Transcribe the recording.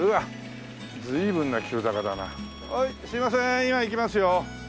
今行きますよ。